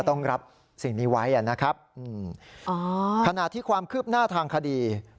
ต้องรับสิ่งนี้ไว้อ่ะนะครับถนาที่ความคืบหน้าทางที่ฆ่าผิดโรงของคดี